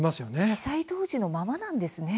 被災当時のままなんですね。